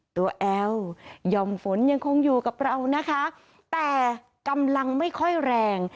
ตัวแอลยอมฝนยังคงอยู่กับเรานะคะแต่กำลังไม่ค่อยแรง